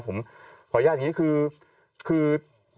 ผมขออนุญาตอย่างนี้คือ